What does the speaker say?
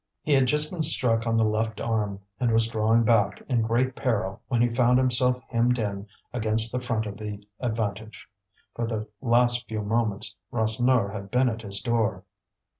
He had just been struck on the left arm, and was drawing back, in great peril, when he found himself hemmed in against the front of the Avantage. For the last few moments Rasseneur had been at his door.